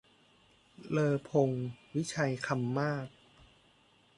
เลอพงศ์ วิชัยคำมาศ